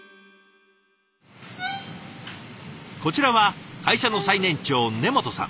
こちらは会社の最年長根本さん。